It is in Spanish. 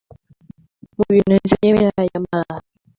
Su carrera comenzó con una llamada.